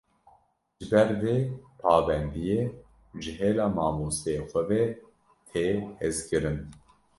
Ji ber vê pabendiyê ji hêla mamosteyê xwe ve tê hezkirin